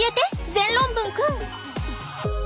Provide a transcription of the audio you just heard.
全論文くん！